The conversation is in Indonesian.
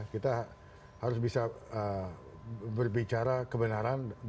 kita harus bisa berbicara kebenaran